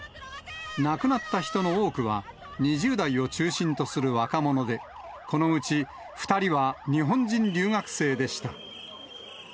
亡くなった人の多くは、２０代を中心とする若者で、このうち２人は日本人留学生でした。